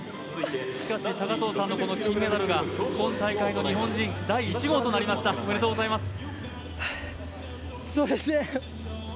しかし高藤さんの金メダルが今大会の日本人第１号となりましたおめでとうございます。